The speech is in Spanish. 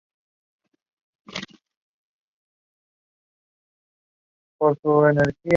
Falleció en prisión seis años más tarde.